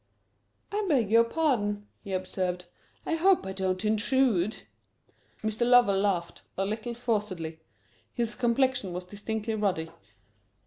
"I beg your pardon," he observed. "I hope I don't intrude!" Mr. Lovell laughed, a little forcedly. His complexion was distinctly ruddy.